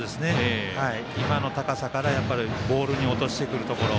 今の高さからボールに落としてくるところ。